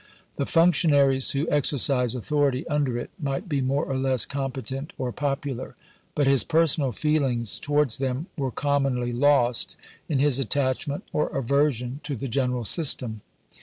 The functionaries who exercise authority under it might be more or less competent or popular; but his personal feelings towards them were commonly lost in his attachment or aversion to the general system.